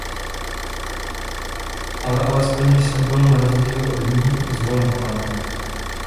Ale alespoň jsem byl, narozdíl od ní, zvolen, pane!